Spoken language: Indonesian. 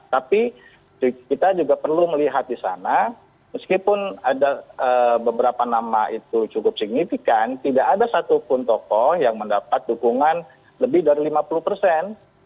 tapi kita juga perlu melihat di sana meskipun ada beberapa nama itu cukup signifikan tidak ada satupun tokoh yang mendapat dukungan lebih dari lima puluh persen